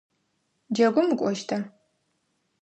Джэгум укӏощта?